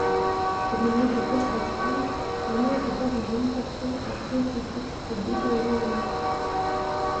Au milieu du corps central, un autre pavillon portant un clocheton se détache légèrement.